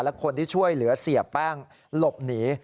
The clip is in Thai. และคนที่ช่วยเหลือเสียแป้งหลบหนี